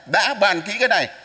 đã bàn kỹ cái này